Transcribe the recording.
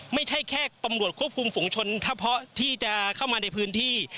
ไม่ใช่แค่ตำรวจควบคุมฝุงชนถ้าเพาะที่จะเข้ามาในพื้นที่